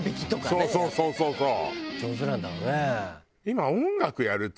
そうそうそうそう。